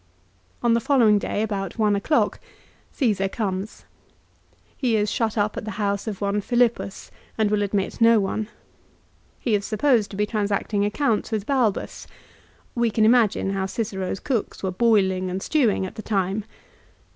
On the following day, about one o'clock, Caesar comes. He is shut up at the house of one Philippus, and will admit no one. He is supposed to be transacting accounts with Balbus. "We can imagine how Cicero's cooks were boil ing and stewing at the time.